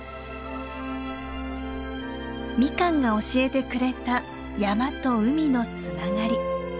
ミカンが教えてくれた山と海のつながり。